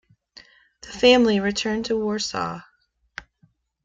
The family returned to Warsaw.